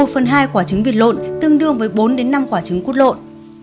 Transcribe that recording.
một phần hai quả trứng vịt lộn tương đương với bốn đến năm quả trứng cút lộn